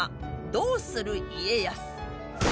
「どうする家康」。